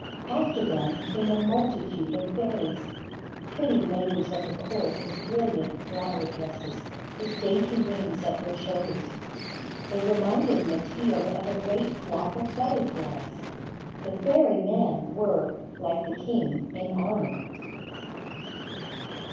After them came a multitude of fairies; pretty ladies of the court in brilliant flower dresses, with dainty wings at their shoulders. They reminded Mateel of a great flock of butterflies. The fairy men were, like the king, in armor.